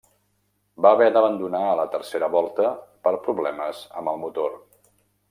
Va haver d'abandonar a la tercera volta per problemes amb el motor.